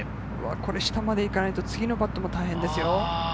下まで行かないと、次のパットも大変ですよ。